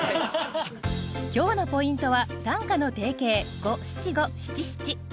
今日のポイントは短歌の定型五七五七七。